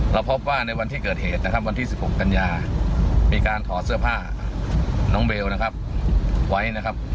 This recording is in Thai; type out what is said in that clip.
เราพบว่าในวันที่เกิดเหตุนะครับวันที่๑๖กันยามีการถอดเสื้อผ้าน้องเบลนะครับไว้นะครับ